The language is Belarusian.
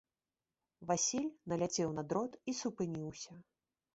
Васіль наляцеў на дрот і супыніўся.